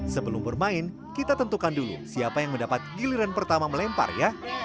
sebelum bermain kita tentukan dulu siapa yang akan menang